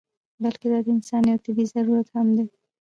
بلکې دا د انسان یو طبعي ضرورت هم و.